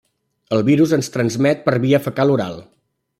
El virus es transmet per via fecal-oral.